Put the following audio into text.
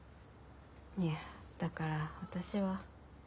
いやだから私は。